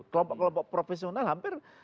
kelompok kelompok profesional hampir